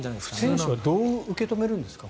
選手はどう受け止めるんですか。